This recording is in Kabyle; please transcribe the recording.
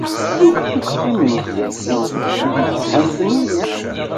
Lukan teqqimemt dayi tili tezhamt mliḥ.